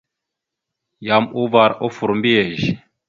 Yam uvar offor mbiyez.